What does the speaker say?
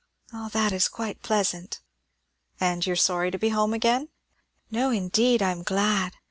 All that is quite pleasant." "And you are sorry to be home again?" "No, indeed, I am glad.